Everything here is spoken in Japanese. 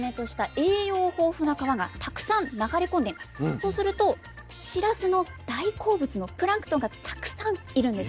そうするとしらすの大好物のプランクトンがたくさんいるんです。